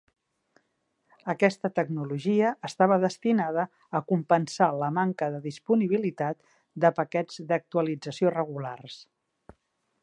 Aquesta tecnologia estava destinada a compensar la manca de disponibilitat de paquets d'actualització regulars.